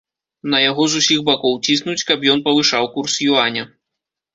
На яго з усіх бакоў ціснуць, каб ён павышаў курс юаня.